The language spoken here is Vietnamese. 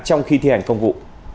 trong khi thi hành công vụ